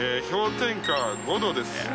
氷点下５度です。